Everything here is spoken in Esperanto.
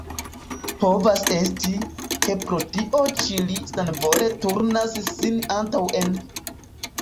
Povas esti, ke pro tio ĉi li senvole turnas sin antaŭen.